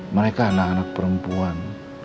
mereka anak anak perempuan